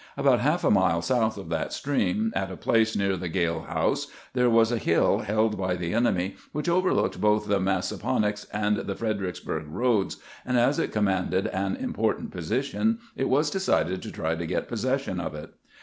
About half a mile south of that stream, at a place near the Gayle house, there was a hill held by the enemy, which overlooked both the Massaponax and the Fredericks burg roads, and as it commanded an important position, it was decided to try to get possession of it.